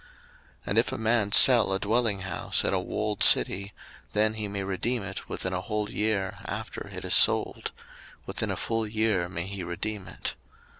03:025:029 And if a man sell a dwelling house in a walled city, then he may redeem it within a whole year after it is sold; within a full year may he redeem it.